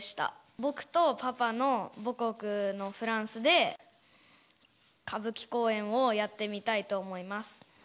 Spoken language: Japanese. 僕とパパの母国のフランスで、歌舞伎公演をやってみたいと思います。